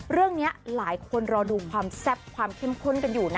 เรื่องนี้หลายคนรอดูความแซ่บความเข้มข้นกันอยู่นะ